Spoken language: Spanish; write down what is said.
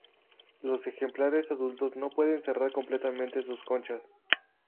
Los ejemplares adultos no pueden cerrar completamente sus conchas.